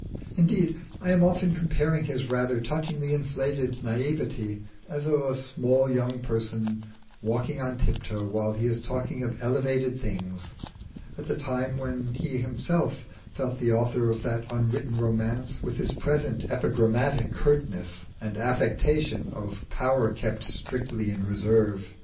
Indeed, I am often comparing his rather touchingly inflated naïveté as of a small young person walking on tiptoe while he is talking of elevated things, at the time when he felt himself the author of that unwritten romance, with his present epigrammatic curtness and affectation of power kept strictly in reserve.